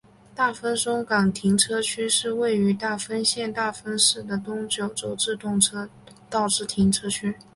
大分松冈停车区是位于大分县大分市的东九州自动车道之停车区。